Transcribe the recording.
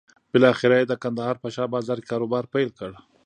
بالاخره یې د کندهار په شا بازار کې کاروبار پيل کړ.